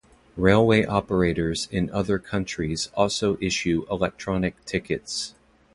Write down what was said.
Railway operators in other countries also issue electronic tickets.